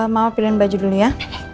mau pilihin baju dulu ya